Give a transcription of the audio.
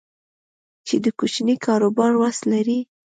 چې د کوچني کاروبار وس لري